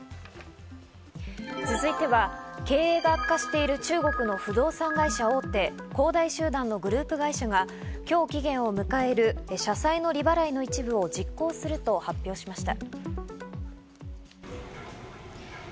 続いては、経営が悪化している中国の不動産会社大手、恒大集団のグループ会社が今日、期限を迎える社債の利払いの一部を実行すると発表しました。